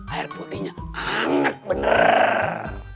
air putihnya anget bener